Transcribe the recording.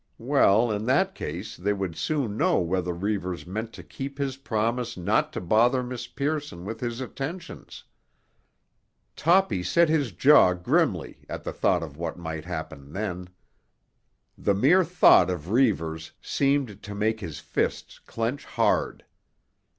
Well, in that case they would soon know whether Reivers meant to keep his promise not to bother Miss Pearson with his attentions. Toppy set his jaw grimly at the thought of what might happen then. The mere thought of Reivers seemed to make his fists clench hard.